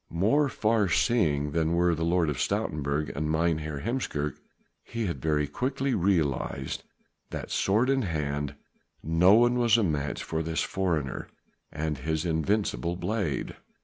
More far seeing than were the Lord of Stoutenburg and Mynheer Heemskerk, he had very quickly realized that sword in hand no one was a match for this foreigner and his invincible blade.